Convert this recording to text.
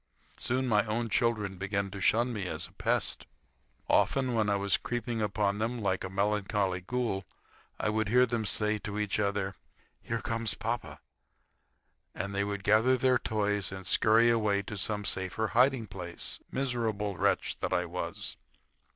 Soon my own children began to shun me as a pest. Often, when I was creeping upon them like a melancholy ghoul, I would hear them say to each other: "Here comes papa," and they would gather their toys and scurry away to some safer hiding place. Miserable wretch that I was!